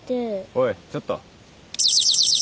おいちょっと。